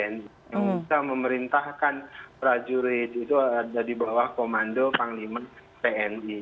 yang bisa memerintahkan prajurit itu ada di bawah komando panglima tni